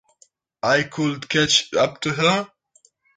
I could catch up to her.